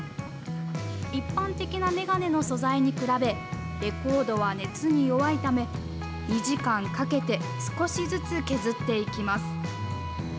一般的なメガネの素材に比べ、レコードは熱に弱いため、２時間かけて少しずつ削っていきます。